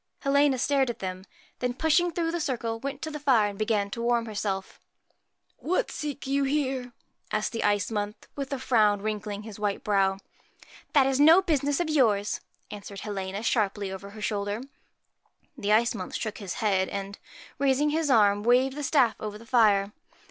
Helena stared at them, then, 76 pushing through the circle, went to the fire, and PRETTY began to warm herself. nU^Sr A * What seek you here ?' asked the Ice Month, with USCHKA a frown wrinkling his white brow. 'That is no business of yours,' answered Helena, sharply, over her shoulder. The Ice Month shook his head, and, raising his arm, waved the staff over the fire.